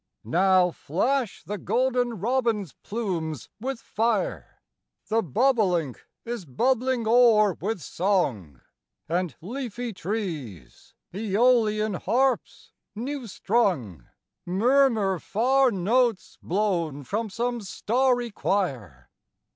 Now flash the golden robin's plumes with fire, The bobolink is bubbling o'er with song, And leafy trees, Æolian harps new strung, Murmur far notes blown from some starry choir.